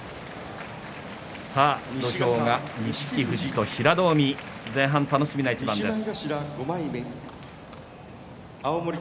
土俵が錦富士と平戸海前半、楽しみな一番です。